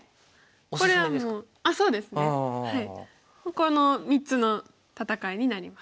この３つの戦いになります。